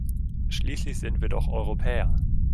Schließlich sind wir doch Europäer.